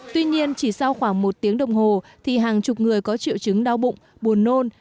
tuy nhiên chỉ sau khoảng một tiếng đồng hồ thì hàng chục người có triệu chứng đau bụng buồn nôn